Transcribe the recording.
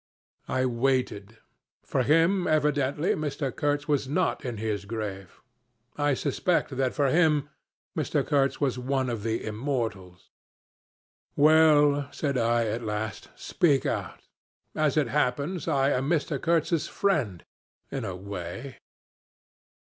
I waited. For him evidently Mr. Kurtz was not in his grave; I suspect that for him Mr. Kurtz was one of the immortals. 'Well!' said I at last, 'speak out. As it happens, I am Mr. Kurtz's friend in a way.'